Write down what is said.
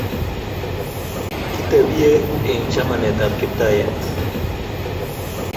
Kitebie eng' chamanetab Kiptayat